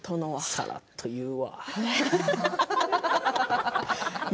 さらっと言うわ。